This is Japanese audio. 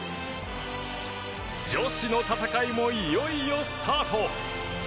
女子の戦いもいよいよスタート。